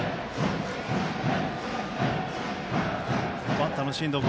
バッターの進藤君